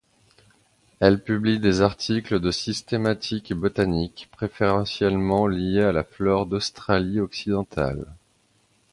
Elle publie des articles de Systématique Botanique, préférentiellement liés à la flore d'Australie Occidentale.